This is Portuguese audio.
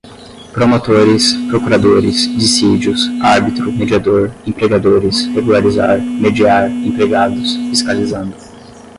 promotores, procuradores, dissídios, árbitro, mediador, empregadores, regularizar, mediar, empregados, fiscalizando